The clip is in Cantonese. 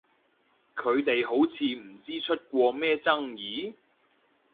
佢哋好似唔知出過咩爭議？